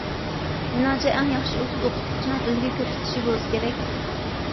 مېنىڭچە، ئەڭ ياخشى ئۇسۇل ئوقۇتقۇچىنىڭ ئۈلگە كۆرسىتىشى بولسا كېرەك.